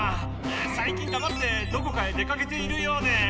最近だまってどこかへ出かけているようで。